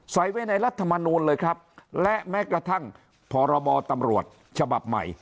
ใส่ไว้ในรัฐมนูลเลยครับและแม้กระทั่งพรบตำรวจฉบับใหม่